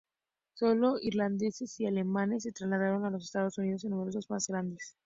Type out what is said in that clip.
Sólo irlandeses y alemanes se trasladaron a los Estados Unidos en números más grandes.